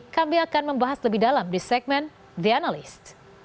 kami akan membahas lebih dalam di segmen the analyst